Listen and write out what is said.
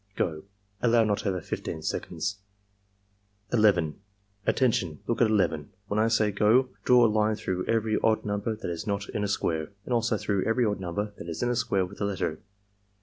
— Go!" (Allow not over 15 seconds.) 11. "Attention! Look at 11. When I say 'go' draw a line through every odd number that is not in a square, and also through every odd number that is in a square with a letter.